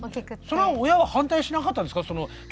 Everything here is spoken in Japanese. それは親は反対しなかったんですか？